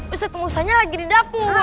ustadz pengusahanya lagi di dapur